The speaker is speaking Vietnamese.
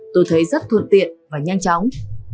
tôi thấy rất thượng tiện và nhanh chóng